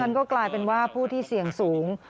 เพราะฉะนั้นก็กลายเป็นว่าผู้ที่เสี่ยงสูง